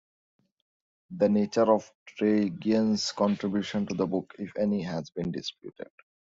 The nature of Tregian's contribution to the book, if any, has been disputed.